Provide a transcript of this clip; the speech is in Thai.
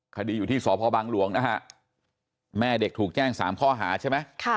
คดีอยู่ที่สพบังหลวงนะฮะแม่เด็กถูกแจ้ง๓ข้อหาใช่ไหม